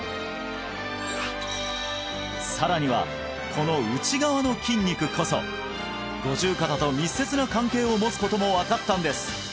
さらにはこの内側の筋肉こそ五十肩と密接な関係を持つことも分かったんです